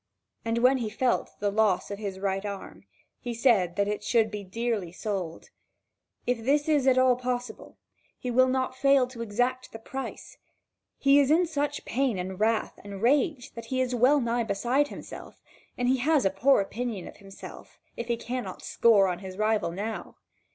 And when he felt the loss of his right arm, he said that it should be dearly sold. If it is at all possible, he will not fail to exact the price; he is in such pain and wrath and rage that he is well nigh beside himself, and he has a poor opinion of himself, if he cannot score on his rival now.